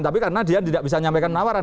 tapi karena dia tidak bisa menyampaikan penawaran